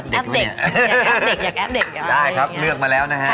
ได้ครับเลือกมาแล้วนะฮะ